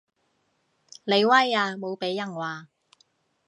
你威啊無被人話